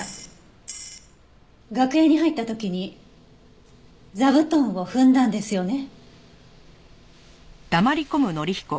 楽屋に入った時に座布団を踏んだんですよね。